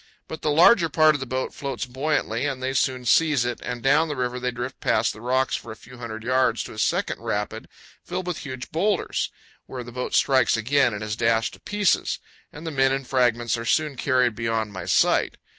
But the larger part of the boat floats buoyantly, and they soon seize it, and down the river they drift, past the rocks for a few hundred yards, to a second rapid filled with huge boulders, where the boat strikes again and is dashed to pieces, and the men and fragments are soon carried beyond my sight.